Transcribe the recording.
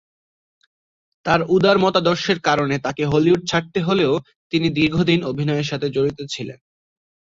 তার উদার মতাদর্শের কারণে তাকে হলিউড ছাড়তে হলেও তিনি দীর্ঘদিন অভিনয়ের সাথে জড়িত ছিলেন।